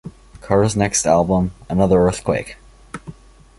Carter's next album, Another Earthquake!